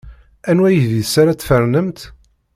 Anwa idis ara tfernemt?